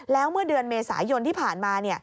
แล้วเมื่อเดือนเมษายนที่ผ่านมา